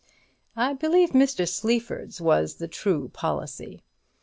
I believe Mr. Sleaford's was the true policy.